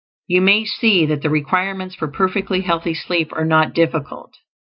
You may see that the requirements for perfectly healthy sleep are not difficult.